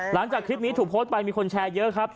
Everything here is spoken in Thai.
หลังจากคลิปนี้ถูกโพสต์ไปมีคนแชร์เยอะครับ